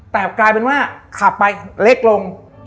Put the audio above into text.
แต่กลายเป็นว่าขับไปเล็กลง